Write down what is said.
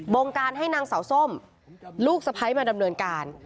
งการให้นางสาวส้มลูกสะพ้ายมาดำเนินการ